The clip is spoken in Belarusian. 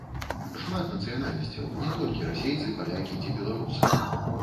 Шмат нацыянальнасцяў, не толькі расейцы, палякі ці беларусы.